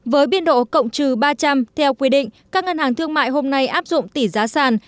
với biên độ cộng trừ ba trăm linh theo quy định các ngân hàng thương mại hôm nay áp dụng tỷ giá sàn